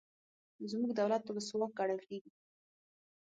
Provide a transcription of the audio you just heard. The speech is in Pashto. زموږ دولت ولسواک ګڼل کیږي.